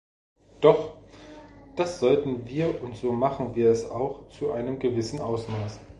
Doch, das sollten wir und so machen wir es auch zu einem gewissen Ausmaß.